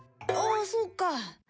ああそうか！